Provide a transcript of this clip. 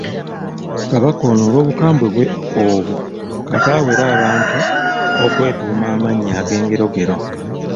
Kabaka ono olw'obukambwe bwe obwo, kata awere abantu okwetuuma amannya ag'engerogero.